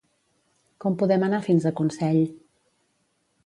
Com podem anar fins a Consell?